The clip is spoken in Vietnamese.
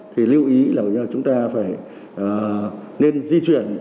thì lưu ý là chúng ta phải di chuyển